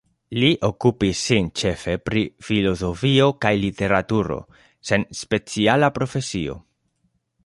Li okupis sin ĉefe pri filozofio kaj literaturo, sen speciala profesio.